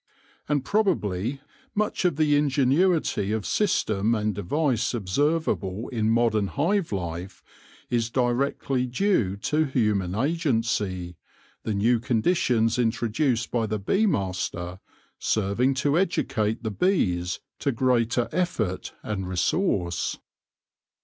And probably much of the ingenuity of system and device observable in modern hive life is directly due to human agency, the new conditions introduced by the bee master serving to educate the bees to greater effort and resource.